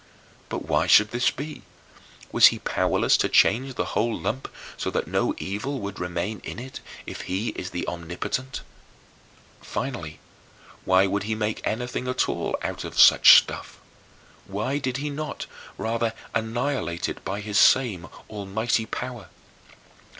But why should this be? Was he powerless to change the whole lump so that no evil would remain in it, if he is the Omnipotent? Finally, why would he make anything at all out of such stuff? Why did he not, rather, annihilate it by his same almighty power?